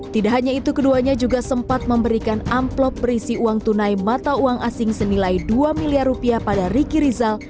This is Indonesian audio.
tidak hanya itu keduanya juga sempat memberikan amplop berisi uang tunai mata uang asing senilai dua miliar rupiah pada ricky rizal